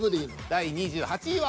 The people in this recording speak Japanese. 第２８位は。